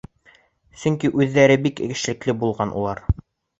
Сөнки үҙҙәре бик эшлекле булған улар.